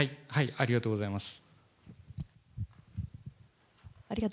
ありがとうございます。